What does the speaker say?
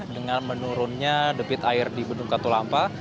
dengan menurunnya debit air di bendung katulampa